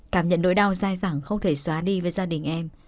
cảm nhận nỗi đau dai dẳng không thể xóa đi với gia đình em